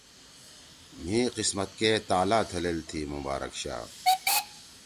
مھی قسمت کے تالا تھلیل تھی مبارک شاہ